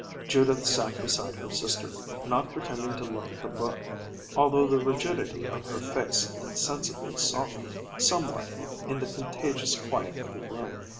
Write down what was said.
Judith sat beside her sister, not pretending to look at the book, although the rigidity of her face insensibly softened somewhat in the contagious quiet of the room.